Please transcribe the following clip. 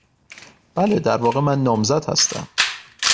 بله. در واقع، من نامزد هستم.